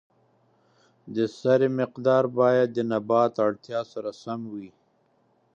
د سرې مقدار باید د نبات اړتیا سره سم وي.